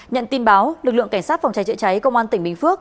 nhận tin báo lực lượng cảnh sát phòng cháy chữa cháy công an tỉnh bình phước